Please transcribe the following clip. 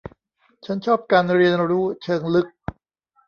ฉันชอบการเรียนรู้เชิงลึก